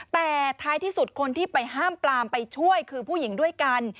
แต่ท้ายที่สุดคนที่ไปห้ามปลามไปช่วยคือผู้หญิงด้วยกัน